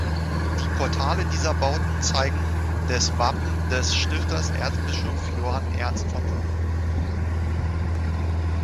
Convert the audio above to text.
Die Portale dieser Bauten zeigen des Wappen des Stifters Erzbischof Johann Ernst von Thun.